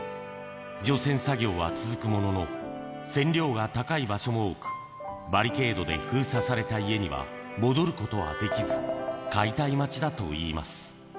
除染作業は続くものの、線量が高い場所も多く、バリケードで封鎖された家には戻ることはできず、解体待ちだといいます。